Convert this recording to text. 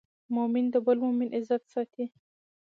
مؤمن د بل مؤمن عزت ساتي.